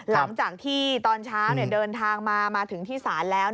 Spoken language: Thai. หลังจากที่ตอนเช้าเดินทางมามาถึงที่ศาลแล้ว